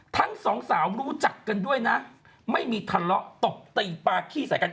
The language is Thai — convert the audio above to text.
ทั้งสองสาวรู้จักกันด้วยนะไม่มีทะเลาะตบตีปลาขี้ใส่กัน